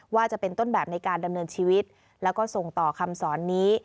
ว่าจะเป็นต้นแบบในการดำเนินชีวิตแล้วก็ส่งต่อคำสอนนี้